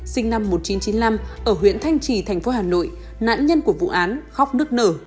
sinh năm một nghìn chín trăm chín mươi năm ở huyện thanh trì tp hà nội nạn nhân của vụ án khóc nước nở